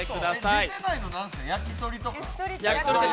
出てないの何ですかやきとりとか？